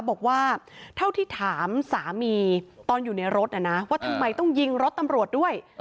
บอกว่าเท่าที่ถามสามีตอนอยู่ในรถนะว่าทำไมต้องยิงรถตำรวจด้วย